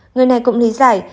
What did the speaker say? người này cũng lý giải